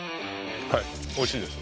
はいおいしいです